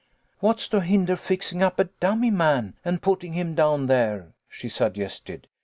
"What's to hinder fixing up a dummy man, and putting him down there ?" she suggested.